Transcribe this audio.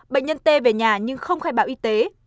bệnh nhân t về nhà nhưng không khai báo y tế